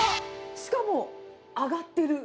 しかも揚がってる。